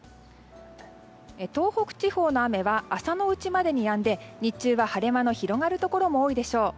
東北地方の雨は朝のうちまでにやんで日中は晴れ間の広がるところも多いでしょう。